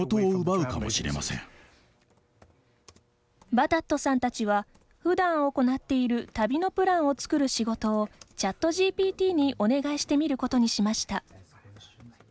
バタットさんたちは普段、行っている旅のプランを作る仕事をＣｈａｔＧＰＴにお願いしてみることにしました。